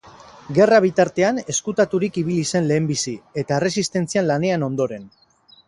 Gerra bitartean ezkutaturik ibili zen lehenbizi eta Erresistentzian lanean ondoren.